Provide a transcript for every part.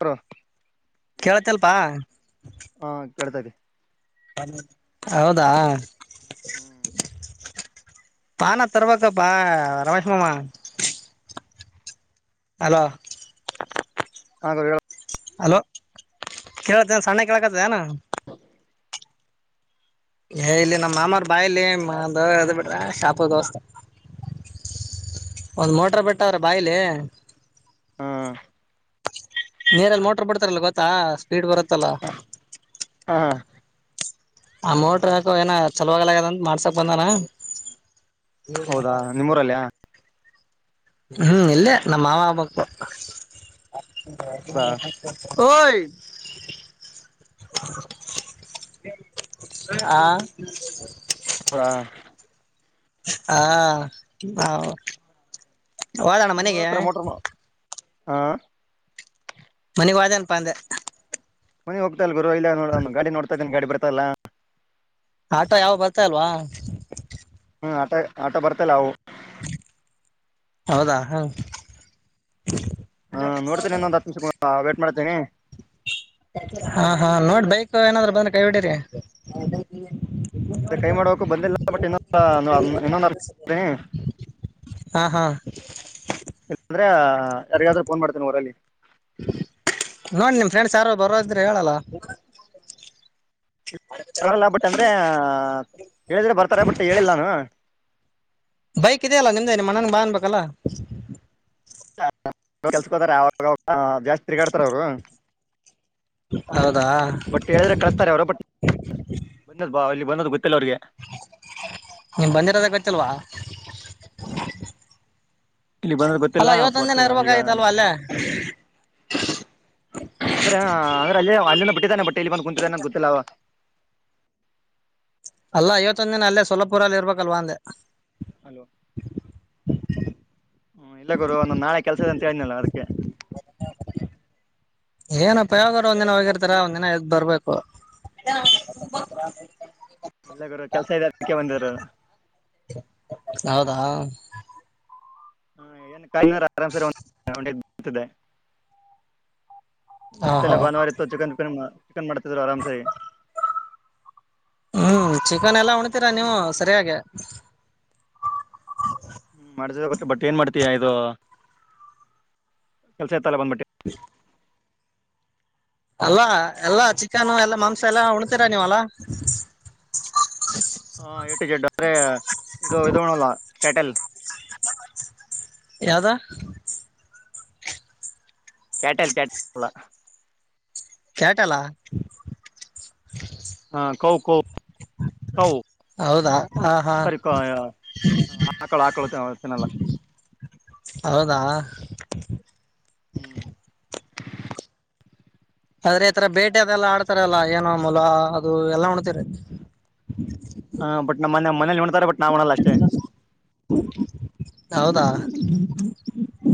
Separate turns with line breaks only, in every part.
ಹ್ರೆ
ಕೇಳತ್ತ ಅಲ್ಪ
ಹಾ ಕೇಳ್ತರಿ
ಹೌದಾ ಪಾನ ತರ್ವಾಗಿಕ್ಕಪ್ಪಾ ರಮೇಶ ಮಾಾಮಾ ಅಲೋ
ಹಾ ಕೊ
ಹಲೋ ಕೇಳತ್ತ ಸಣ್ಣ ಕೇಳಕತ್ತ ಏನ ಏ ಇಲ್ಲಿ ನಮ್ಮ ಮಾಮಾರ ಬಾಯ ಇಲ್ಲಿ ದ ಇದ್ ಬಿಟ್ರ ಶಾಪ ದೋಸ್ತ ಒಂದು ಮೋಟ್ರ ಬೆಟ್ಟ ಅವ್ರೆ ಬಾಯಿಲೆ
ಹ್ಮ
ನೀರಲ್ಲಿ ಮೋಟ್ರ ಬಿಡ್ತಾರಲ್ ಗೊತ್ತಾ ಸ್ಪೀಡ್ ಬರುತ್ತಲ್ಲ
ಹ
ಆ ಮೋಟ್ರ ಹಾಕು ಏನ ಚಲೋಾಗಲಗ್ಯದಂತ ಮಾಡ್ಸಕ್ ಬಂದಾನ
ಹೌದಾ ನಿಮ್ಮೂರಲ್ಯ
ಹ್ಮ್ ಇಲ್ಲೇ ನಮ್ಮ ಮಾವ ಹಬಕ್ು
ಹೌದಾ
ಹಯ ಆ
ಹ
ಹಾ ಹಾ ಹಡಣ ಮನೆಗೆ
ಹಾ
ಮನಗ್ ವಾದನಪ ಅಂದೆ
ಮನಿ ಹೋಗ್ತಾ ಇಲ್ ಗುರು ಇಲ್ಲೋ ಒ ಗಾಡಿ ನೋಡ್ತಾ ಇದನ ಗಾಡಿ ಬರ್ತಲ್ಲ
ಆಟೋ ಯಾವ ಬರ್ತಾ ಅಲ್ವಾ
ಹ್ಮ್ ಆಟ ಆಟ ಬರ್ತಲ್ಲಾವು
ಹೌದಾ ಹಾ
ಹಾ್ ನೋಡ್ತೇನೆ ಇನ್ನೊಂದಂದುತ್ತು ನಿಮಿಷ ವೇಟ್ ಮಾಡ್ತೇನೆ
ಹಾ ಹಾ ನೋಡ್ ಬೈಕ್ ಏನಾದ್ರರು ಬಂದ ಕೈ ಬಿಡರಿ
ಅದೇ ಕೈ ಮಾಡೋಕು ಬಂದಿಲ್ಲ ಬಟ್ ಇನ್ನೊ ಇನ್ನೊಂದು
[inaudible]
ಇಲ್ಲಾಂದ್ರ ಯಾರಿಗಾದ್ರೂ ಫೋನ್ ಮಾಡ್ತೇನಿ ರಲ್ಲಿ
ನೋಡಿ ನಿಮ್ ಫ್ರೆಂಡ್ಸ್ ಯಾರು ಬರೋದ್ರೆ ಹೇಳಲ್ಲ
ಬರಲ್ಲ ಬಟ್ಟ ಅಂದ್ರ ಹೇಳಿದ್ರೆ ಬರ್ತಾರ ಬಟ್ಟು ಹೇಳಿಲ್ಲ ನಾನು
ಬೈಕ್ ಇದೆಯಲ್ಲ ನಿಮ್ದೇನ ಮನನ್ ಬ ಅನ್್ಬೇಕಲ್ಲ
ಕೆಲ್ಸಕೋತಾರ ಯಾಗ ಜಾಸ್ತಿ ತಿರುಗಾಡ್ತಾರ ಅವರು
ಹ
ಬಟ್ ಹೇಳಿದ್ರೆ ಕಳಸ್ತಾರೆ ಅವರ ಬಟ್ ಬಂದದ್ ಬಾ ಇಲ್ಲಿ ಬಂದೋದು ಗೊತ್ತಿಲ್ಲ ಅವ್ರಿಗೆ
ನೀಮ್ ಬಂದಿರದ ಗೊತ್ತಲ್ವಾ
ಇಲ್ಲಿ ಬಂದ ಪತ್ತಲ್ಲಾ ಬಟ್ಟ ಈಗ
ಅಲ್ಲೇ
ಅಂದ್ರೆ ಅಂದ್ರೆ ಅಲ್ಲಿ ಅಲ್ಲಿಂದ ಬಿ ಬಟ್ಟೆಲಿ ಗತ ಗುತ್ತಲ್ಲ ಹಾವ
ಅಲ್ಲ ಐವತ್ತೊಂದ ದಿನ ಅಲ್ಲೇ ಸೊಲ್ಲಪುರಲ್ಲಿ ಇರ್ಬೇಕಲ್ವಾ ಅಂದೆ
ಹಲೋ ಹ್ಮ ಇಲ್ಲ ಗುರು ಒಂದೊಂದ್ ನಾಳೆ ಕೆಲ್ಸದ ಅಂತ ಹೇಳನಿಲ್ಲ ಅದಕ್ಕೆ
ಏನಪ್ಪ ಯಾವಾಗ್ರ ಒಂದ್ಿನ ಹೋಗಿರ್ತಾರ ಒಂದ್ಿನ ಎದ್ ಬರ್ಬೇಕು
ಎಲ್ಲ ಗ ಕೆಲ್ಸ ಇದೆ ಅದಕ್ಕೆ ಬಂದರು
ಹೌದಾ
ಹಾ ಏನ್ ಕ ಆರಾಮ್ಸರಿ ಒಂದಂ ಬತಿದೆ ಇವತ್ತೆಲ್ಲ
ಓಹೋ
ಭಾನುವಾರ ಇತ್ತು ಚಿಕನ್ನ್ ಚಿಕನ್ ಮಾಡ್ತಿದ್ರು ಆರಾಮ್ ಸರಿ
ಹ್ಮ್ ಚಿಕನ್ ಎಲ್ಲ ಉಣತೀರಾ ನೀವು ಸರಿಯಾಗಿೆ
ಹ್ಮ್ ಮಾಡತ್ತ ಬಟ್ ಏನ್ ಮಾಡ್ತಯಾ ಇದು ಕೆಲ್ಸ ತಲ್ಲ ಬಂದ್ಬಿಟ್ಟ
ಹ್ಮ ಅಲ್ಲ ಎಲ್ಲಾ ಚಿಕನು ಎಲ್ಲಾ ಮಾಂಸ ಎಲ್ಲಾ ಉಣ್ತೀರ ನೀವಲ್ಲ
ಹಾ ಎಟು ಜಡ್ಡು ಅ್ರೆ ಇದು ಇದಣಲ್ಲ ಕ್ಯಾಟೆಲ್
ಯಾವದ
ಕೇಟಲ್ ಕಟಲ್ಲ
ಕಟಲ್ಲ
ಹಾ ಕೌ ಕೋ ಕೌ
ಹೌದಾ ಹಾ ಹಾ
ಸರಿ ಹಾಕಳ ಹಾಕಳತನಲ್ಲ
ಹೌದಾ
ಹ್ಮ್
ಆದ್ರೆ ಈ ತರ ಬೇಟೆ ಅದೆಲ್ಲಾ ಆಡ್ತಾರಲ್ಲಾ ಏನ ಮೂಲ ಅದು ಎಲ್ಲ ಉಣ್ತರ
ಹ ಬಟ್ ನಮ್ಮನೆ ಮನೇಲಿ ನೋ್ತಾರೆ ಬಟ್ ನಾವ್ ನಲ್ಲ ಅಷ್ಟೇ
ಹೌದಾ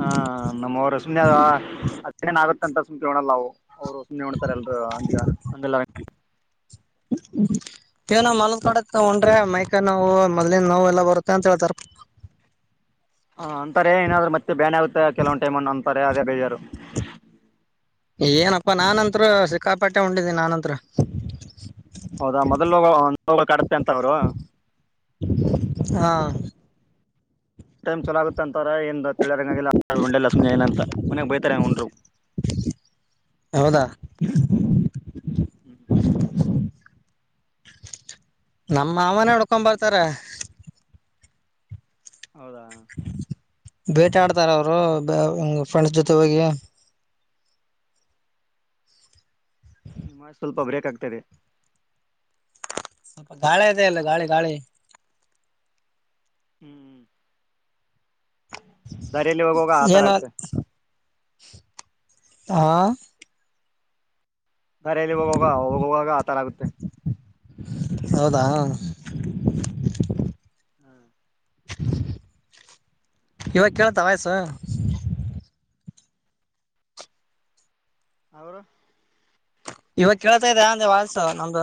ಹಾ ನಮ್ಮವ ರಸಮಿ ಅೇನ್ ಆಗತ್ತಂತ ಅಸಮಿ ಕೇಳೋಣಲ್ಲಾವು ಅವರು ಸುಮ್ಮನೆ ಹೊಣ್ತಾರೆ ಎಲ್ರು ಅಲ್ಲ
ಇವ ನ ಮಲ ಕಡ ಉೊಂಡ್ರೆ ಮೈಕ ನೋವು ಮೊದ್ಲನ್ ನೋವು ಎಲ್ಲಾ ಬರುತ್ತೆ ಅಂತ ಹೇಳ್ತಾರ
ಹ ಅಂತಾರೆ ಏನಾದ್ ಮತ್ತೆ ಬೇ ಆಗುತ್ತೆ ಕೆಲವ್ ಟೈಮ್ ಅಂತಾರೆ ಅದೇ ಬೆಳಜಾರರು
ಏನಪ್ಪಾ ನಾನಂತ್ರ ಸಿಕ್ಕಾಪಟ್ಟೆ ಹೊಂಡಿದಿನನಿ ನಾನಂತ್ರ
ಹೌದಾ ಮೊದ್ಲುೋಗ ಕಡತ್ತೆ ಅಂತ ಅವ್ರು
ಹಾ
ಟೈಚಲ ಆಗುತ್ತ ಅಂತಾರ ಏಂದ ತಿಳೋರಂಗಗಲ್ಲೊಂಡಲ್ಲ ಸುಮ್ಮನೆ ಏನ ಅಂತ ಮನೆಾಗ ಬೈತಾರೆ ಉುರು
ಹೌದಾ
ಹ್ಮ್
ನಮ್ಮ ಮಾವನೇ ಉಡ್ಕೊ ಬರ್ತಾರ
ಹೌದಾ
ಬೇಟ ಆಡ್ತಾರ ಅವರು ಫ್ರೆಂಡ್ಸ್ ಜೊತೆ ಹೋಗಿ
ನಿಮ್ಮ ಸ್ವಲ್ಪ ಬ್ರೇಕ್ ಆಗ್ತದೆ
ಅ ಗಾಳಿ ಇದೆ ಅಲ್ಲ ಗಾಳಿ ಗಾಳಿ
ಹ್ಮ್ ಹ್ಮ್ ದರಿಯಲ್ಲಿ ಹೋಗಾಗ ಆ ಥರ
ಏನೋ
ಆಗ್ತೆ
ಹಾ
ದಾರಲ್ಲಿ ಹೋಗೋಗ ಹೋಗ ಹೋಗಾಗ ಆ ಥರ ಆಗುತ್ತೆ
ಹೌದಾ
ಹ್ಮ್
ಇವಾಗ ಕೇೇಳತ್ತಾ ವಯ್ಸ
ಅವರು
ಇವಾಗ ಕೇಳ್ತಾ ಇದದೆ ಅಂದ್ರೆ ವಲ್ಸ ನಮ್ದು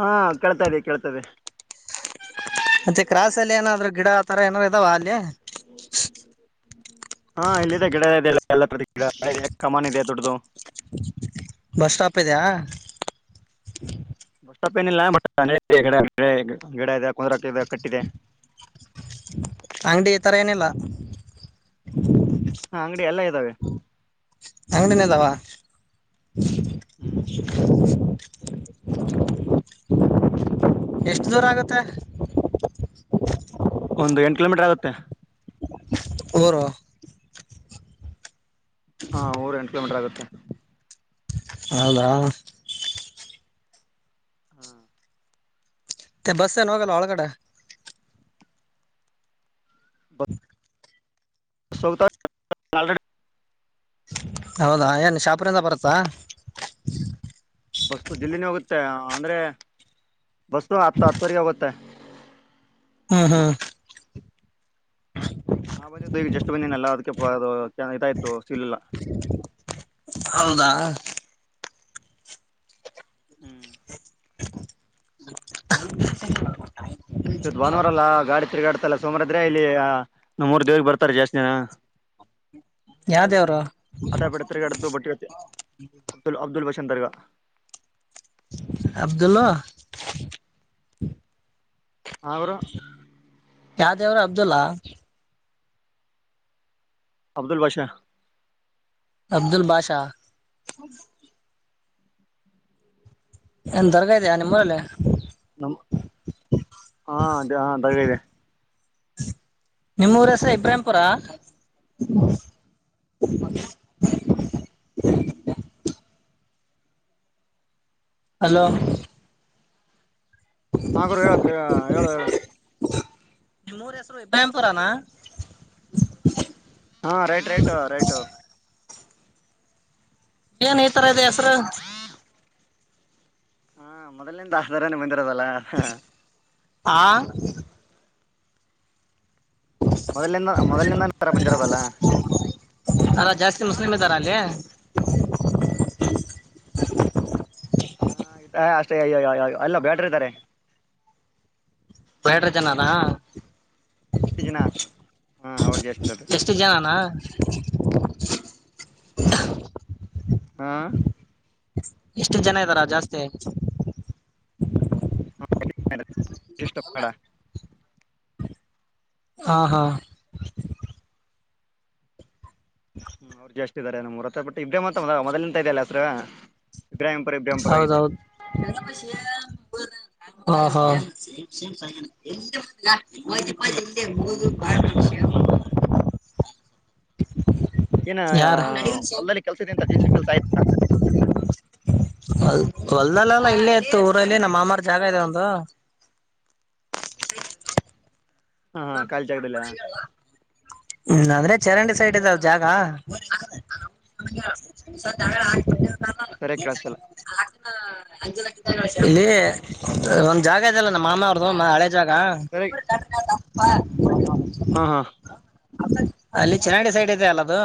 ಹಾ ಕಳ್ತದೆ ಕೇಳ್ತದೆ
ಮತ್ತೆ ಕ್ರಾಸಲ್ಲಿ ಏನಾದ್ರು ಗಿಡ ಆ ತರ ಏನಾದಾರರು ಇದ್ದಾವ ಅಲ್ಲಿ
ಹಾ ಇಲ್ಲಿದೆ ಗಿಡ ಇದೆಲ್ಲ ಎಲ್ಲ ಗಿಡ ಕಮಾನ ಇದೆ ದುಡ್ಡ್ದದು
ಬಸ್ ಸ್ಟಾಪ್ ಇದೆಯ
ಪ್ ಏನಿಲ್ಲ ಗಿಡ ಇದೆ ಕುುದಾ ಕಟ್ಟಿದೆ
ಅಂಗಡಿ ಈ ತರ ಏನಿಲ್ಲ
ಹ ಅಂಗಡಿ ಎಲ್ಲಾ ಇದ್ದಾವೆ
ಅಂಗಡಿನದಾವ
ಹ್ಮ್
ಎಷ್ಟು ದೂರ ಆಗತ್ತೆ
ಒಂದು ಎಂಟು ಕಿಲೋಮೀಟರ್ ಆಗುತ್ತೆ
ಊರು
ಹಾ ಊರ್ ಎಂಟು ಕಿಲೋಮೀಟರ್ ಆಗುತ್ತೆ
ಹೌದ
ಹ್ಮ
ಬಸ್ಸಏನುಾಗಲ್ಲ ಹೊಳಗಡೆ
ತ
ಹೌದಾ ಏನ್ ಶಾಪ್ರಂದ ಬರುತ್ತಾ.
ಬಸ್ಸು ಜಲ್ಲಿ. ನ ಹೋಗುತ್ತೆ ಅಂದ್ರೆ ಬಸ್ಸ ಹತ್ತು ಹತ್ತುವರೆಗೆ ಹೋಗುತ್ತೆ
ಹ್ಮ ಹಾ.
ನಾ ಬಂದಿದ್ದು ಈಗ ಜಸ್ಟ್ ಬಂದೀನಲ್ಲ ಅದಕ್ಕೆ ಇದಾಯ್ತು ಸೀಲ್
ಹೌದಾ
ಹ್ಮ್
ಅ
ಇವತ್ ಭಾನುವಾರಲ್ಲಾ ಗಾಡಿ ತಿರ್ಗಾಡ್ತಲ್ಲ ಸೋಮಾರ ಇದ್ರೆ ಇಲ್ಲಿಮೂರ್ ದೇವಗೆ ಬರ್ತಾರ ಜಾಸ್ತಿ ದಿನ
ಯಾವ ದೇವ್ರು
ಅಾಪಡ ಅ ಬಟ್ಟ ಅಬುಲ್ ಅಬ್ದುಲ್ ಬ ಚಂದ್ರಗ
ಅಬ್ದುಲ್ಲ
ಅವರು
ಯಾವ್ದೇವ್ರ ಅಬ್ದುಲ್ಲಾ
ಅಬ್ದುಲ್ ಬಷಾ
ಅಬ್ದುಲ್ ಬಾಷಾ ಏನ್ ದರಗಾ ಇದ ಇದಯ ನಿಮ್ಮೂರಲ್ಲಿ.
ನಮ್ಮ್ ಹಾ ಹ ದಗ ಇದೆ.
ನಿಮ್ಮೂರ ಹೆಸರ ಇಬ್ರಾಂಪುರ. ಇಲ [inaudible] ಹಲೋ.
ನಂಗರು ಹೇಳಕ್ ಹೇಳ ಹೇಳ.
ನಿಮ್ಮ ಮೂರ ಹೆಸರು ಇಬ್ಯಾಂಪುರನಾ
ಹಾ ರೈಟ್ ರೈಟ್ ರೈಟ್.
ಏನ್ ಈ ತರ ಇದೆ ಹೆಸರು.
ಹಾ ಮೊದಲ ನಿಂದು ದಾಸ್ರ ನಿಮ್ಮ.
ಹ
ಮೊದಲಿಂದ ಮೊದಲಿಂದರ ಬಂದಜಿರೋದಲ್ಲ.
ಅಲ್ಲ [unintelligible]
ಹ ಆಯ ಅಷ್ಟೇ ಅಯ್ಯಯ ಎಲ್ಲ ಬೇಟ್ರ ಇದ್ದಾರೆ.
ಬೇಡ್ರು ಜನನ
ಎಷ್ಟು ಜಿನ ಹಾ ಅವರು ಜಸ್ತಿರದು.
ಎಷ್ಟು ಜನನಾ [unintelligible]
ಹಾ
ಎಷ್ಟು ಜನ ಇದ್ದಾರ ಜಾಸ್ತಿ.
ವಿಶಿಷ್ಟ ಪಡ.
ಹಾ ಹಾ.
ಹ್ಮ್ ಅವ್ರು ಜಾಸ್ತ ಇದಾರೆ ನಮ್ೂರು ಹತ್ತ ಬಟ್ಟ ಇಬ್ ಮತ್ತ ಮೊದಲಂತ ಇದಲ್ಲ ಹೆಸರ.
ಹೌದೌದು ಹಾ ಹಾ ವಿ ಎಲ್ಲಿ ಎಲ್ಲ ಮೂಷ. [inaudible]
ಏನ ಹೊಲ್ಲಲ್ಲಿ ಕೆಲ್ಸ ಇ ಅಂತ ಜೆಸ ಕೆಲ್ಸ ಆಯ್ತಾ.
ಅಲ್ ಹೊಲ್ದಲ್ಲಲ್ಲ ಇಲ್ಲೇ ಇತ್ತು ಊರಲ್ಲಿ ನಮ್ಮಮಾರ್ ಜಾಗ ಇದೆ ಒಂದು. [inaudible]
ಹಾ ಹಾ ಕಲ್ಚಗದಲ್ಲ.
ಇಲ್ಲ ಅಂದ್ರೆ ಚರಂಡಿ ಸೈಡ್ ಇದದೆವ ಜಾಗ.
ಸರಿ ಕೆೇಳಿಸತಲ್ಲ.
ಇಲ್ಲಿ ಒಂದ್ ಜಾಗ ಇದದೆಲ್ಲ ನಮ್ಮ ಮಾಮ ಅವ್ರ್ದು ಹಳೆ. [inaudible]
ಹ ಹಾ
ಅಲ್ಲಿ ಚೆನ್ನಡಿ ಸೈಡ್ ಇದೆ ಅಲ್ಲದು.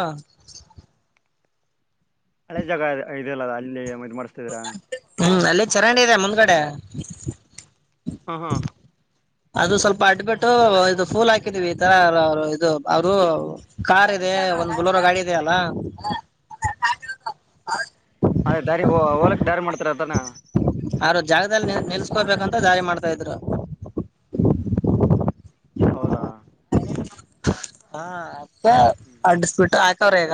ಅದೇ ಜಾಗದೆ ಇದದೆಲ್ಲ ಅ ಅಲ್ಲಿ ಮತ್ತೆ.
ಹ್ಮ್ ಅಲ್ಲಿ ಚರಂಡಿ ಇದೆ ಮುಂದ್ಗಡೆ
ಹ್ಮ ಹ್ಮ
ಅದು ಸ್ವಲ್ಪ ಅಡ್ಬಿಟ್ಟು ಇದು ಫೂಲ್ ಹಾಕಿದೀವಿ ಈ ತರ ಇದು ಅವರು ಕಾರ್ ಇದೆ. ಒಂದ್ ಬುಲೋರ ಗಾಡಿ ಇದೆಯಲ್ಲ.
ಅದೇ ದಾರಿ ಹೋಲಕ್ ದಾರಿ ಮಾಡ್ತಾರ ಅದಾನ.
ಅವ್ರ ಜಾಗದಲ್ಲಿ ನಿಲ್ಸ್ಕೊಬೇಕಂತ ದಾರಿ ಮಾಡ್ತಾ ಇದ್ರು.
ಹೌದಾ
ಹಾ ಅ
ಹ್ಮ್
ಅಡ್ಡಿಸಪಿಟ್ಟ ಆಯಕ್ರಗ.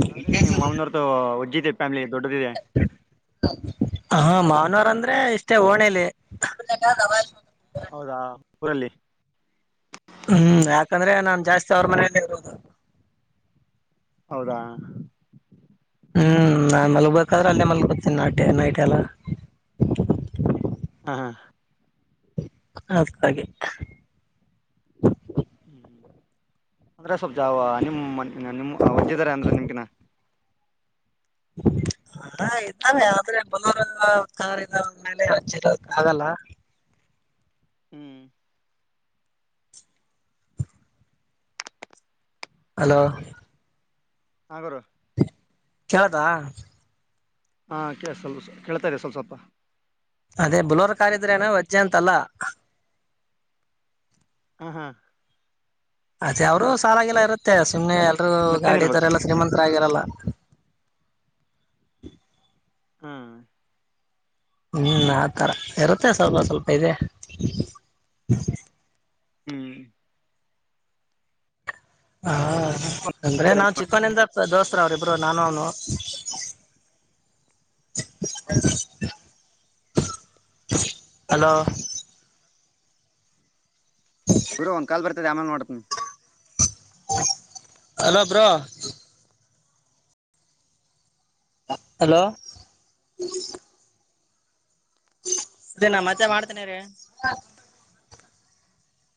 ಹಂಗಾದ್ರೆ ನಿಮ್ಮ್ ಮಾಮನವರತ ಒಜ್ಜ ಇದೆ ಫ್ಯಾಮಿಲಿ ದೊಡ್ಡದಿದೆ.
ಹಾ ಮಾನವಾರ ಅಂದ್ರೆ ಇಷ್ಟೇ ಓಣೇಲಿ.
ಹೌದಾ ಊರಲ್ಲಿ
ಹ್ಮ್ ಯಾಕಂದ್ರೆ ನಾ ಜಾಸ್ತಿ ಅವ್ರ ಮನೇಲ್ಲ ಇರೋದು
ಹೌದಾ
ಹ್ಮ್ ನಾನ್ ಮಲ್ಗ್ಬೇಕಾದ್ರೆ ಅಲ್ಲೇ ಮಲ್ಗ್ತೀನಿ ನಾಟೆ ನೈಟ್ ಎಲ್ಲ
ಹ್ಮ
ಅದ ಹಾಗೆ
ಹ್ಮ್ ಅಂದ್ರೆ ಸ್ವಲ್ಪ ಜಾವ ನಿಮ್ ನಿಮ್ ವಜ್ಜದಾರ ಅಂದ್ರೆ ನಿಮ್ಕಿನ
ಹಾ ಇದ್ದಾವೆ ಆದ್ರೆ ಬಲೋರ ಕಾರ್ಾವ ಮೇಲೆ ಹಚ ಆಗಲ್ಲ
ಹ್ಮ್
ಹಲೋ
ಹಗರು
ಕೇಳತಾ
ಹಾಂ ಕ ಸ್ವಲ್ಪ ಕೇಳ್ತಾಾರೆ ಸ್ವಲ್ಪ ಸ್ವಲ್ಪ
ಅದೇ ಬುಲೋರ್ ಕಾರಿದ್ರೇನ ವಜ್ಜೆ ಅಂತಲ್ಲ
ಹ ಹಾ
ಅದೇ ಅವ್ರು ಸಾಲಾಗಿಲ್ಲ ಇರುತ್ತೆ ಸುಮ್ನೆ ಎಲ್ರುೂ
ಮತ್ತೇನ್
ಗಾಡಿದರೆ
ಇರ್ಬೇಕು
ಎಲ್ಲಾ ಶ್ರೀಮಂತರಾಗಿರಲ್ಲ ಹ
ಹ್ಮ
ಹ್ಮ್ ಆತರ ಇರುತ್ತೆ ಸ್ವಲ್ಪ ಸ್ವಲ್ಪ ಇದೆ
ಹ್ಮ್
ಹಾ ಅಂದ್ರೆ ನಾ್ ಚಿಕನಂದ ದೋಸ್ತರು ಅವರು ಎಬ್ಬ್ರ ನಾನು ಅವ ಹಲೋ
ಗುರ ಒಂದ್ ಕಾಲ್ ಬರ್ತದೆ ಆಮೇಲ್ ಮಾಡು
ಹಲೋ ಬ್ರೋ ಹಲೋ ಅೇ ನ ಮತ್ತೆ ಮಾಡ್ತೇನ ರೀ